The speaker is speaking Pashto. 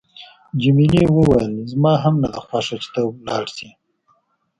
جميلې وويل: زما هم نه ده خوښه چې ته لاړ شې.